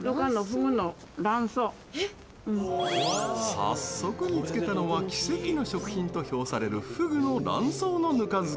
早速見つけたのは奇跡の食品と評されるふぐの卵巣のぬか漬け。